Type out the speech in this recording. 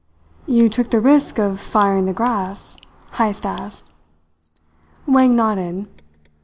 "You took the risk of firing the grass?" Heyst asked. Wang nodded.